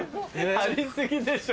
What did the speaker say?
貼り過ぎでしょ。